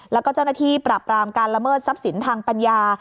แล้วก็เจ้าหน้าที่ปราบรามการละเมิดทรัพย์สินทางปัญญา